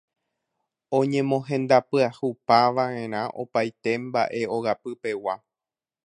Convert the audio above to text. oñemohendapyahupava'erã opaite mba'e ogapypegua